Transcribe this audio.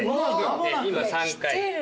今３回。